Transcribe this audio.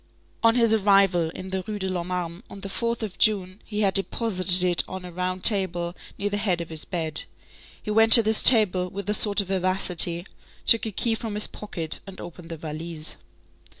On his arrival in the Rue de l'Homme Armé, on the 4th of June, he had deposited it on a round table near the head of his bed. He went to this table with a sort of vivacity, took a key from his pocket, and opened the valise.